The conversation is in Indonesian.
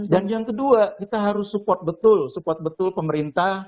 dan yang kedua kita harus support betul support betul pemerintah